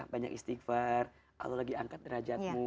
banyak istighfar allah sedang angkat derajat mu